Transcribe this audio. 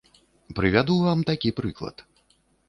Прывяду вам такі прыклад.